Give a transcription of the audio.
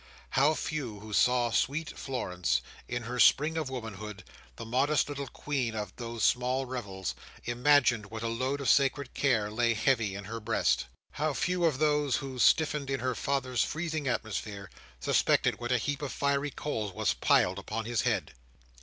How few who saw sweet Florence, in her spring of womanhood, the modest little queen of those small revels, imagined what a load of sacred care lay heavy in her breast! How few of those who stiffened in her father's freezing atmosphere, suspected what a heap of fiery coals was piled upon his head!